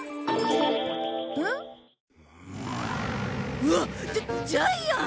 うわっジャイアン！